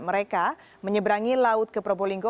mereka menyeberangi laut ke probolinggo